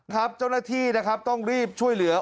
เจ้าหน้าที่นะครับต้องรีบช่วยเหลือ